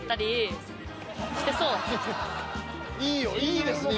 ［いいですね